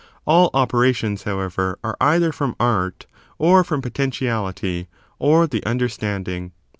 All operations, however, are either from art, or from potentiality, or the understanding.